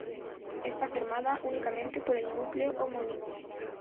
Está formada únicamente por el núcleo homónimo.